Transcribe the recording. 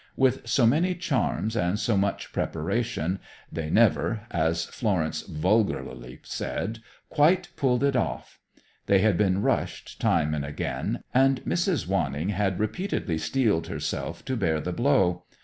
With so many charms and so much preparation, they never, as Florence vulgarly said, quite pulled it off. They had been rushed, time and again, and Mrs. Wanning had repeatedly steeled herself to bear the blow.